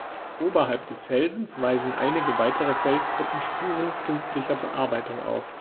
Oberhalb des Felsens weisen einige weitere Felsgruppen Spuren künstlicher Bearbeitung auf.